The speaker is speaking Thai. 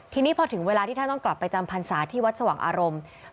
ทีนี้พอถึงเวลาที่ท่านต้องกลับไปจำพรรษาที่วัดสว่างอารมณ์